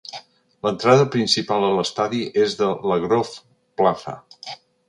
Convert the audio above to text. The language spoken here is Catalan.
L'entrada principal a l'estadi és des de la Grove Plaza.